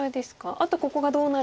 あとここがどうなるかっていう。